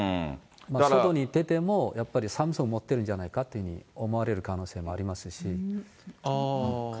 外に出ても、やっぱりサムスン持ってるんじゃないかって思われる可能性ありますし。